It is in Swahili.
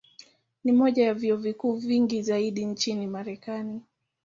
Ni moja ya vyuo vikuu vingi zaidi nchini Marekani.